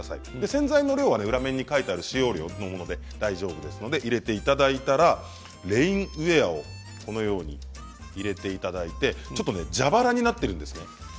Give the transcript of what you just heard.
洗剤の量は裏面に書いてある使用量のもので大丈夫ですので入れていただいたらレインウエアをこのように入れていただいて蛇腹になっているんです